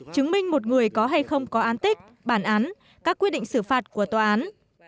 chứng minh một người có hay không có an tích bản án các quyết định xử phạt của tòa án